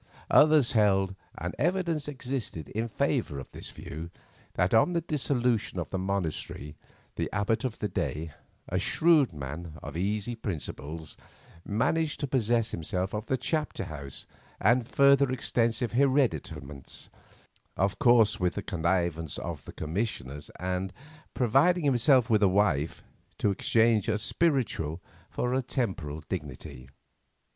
Others held, and evidence existed in favour of this view, that on the dissolution of the monastery the abbot of the day, a shrewd man of easy principles, managed to possess himself of the Chapter House and further extensive hereditaments, of course with the connivance of the Commissioners, and, providing himself with a wife, to exchange a spiritual for a temporal dignity.